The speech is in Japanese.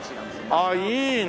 あっいいね。